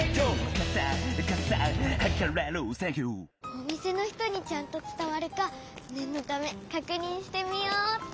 おみせの人にちゃんとつたわるかねんのためかくにんしてみようっと。